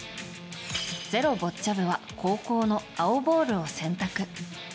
「ｚｅｒｏ」ボッチャ部は後攻の青ボールを選択。